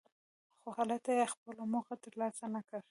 خو هلته یې خپله موخه ترلاسه نکړه.